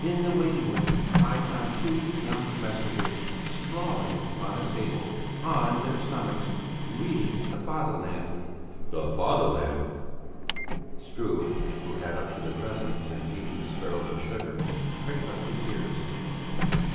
In the waiting room I found two young messengers sprawling on a table, on their stomachs, reading the Fatherland." "The 'Fatherland'?" Struve, who had up to the present been feeding the sparrows with sugar, pricked up his ears.